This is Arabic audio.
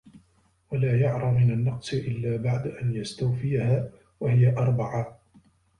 وَلَا يَعْرَى مِنْ النَّقْصِ إلَّا بَعْدَ أَنْ يَسْتَوْفِيَهَا وَهِيَ أَرْبَعَةٌ